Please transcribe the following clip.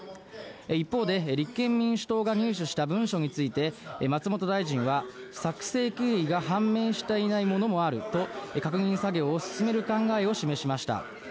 一方で、立憲民主党が入手した文書について松本大臣は、作成経緯が判明していないものもあると確認作業を進める考えを示しました。